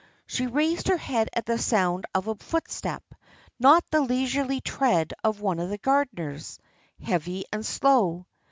She raised her head at the sound of a footstep, not the leisurely tread of one of the gardeners, heavy and slow.